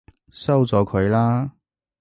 收咗佢啦！